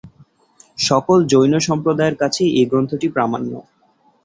সকল জৈন সম্প্রদায়ের কাছেই এই গ্রন্থটি প্রামাণ্য।